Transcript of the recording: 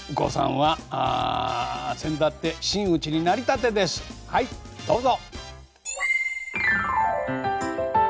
はいどうぞ。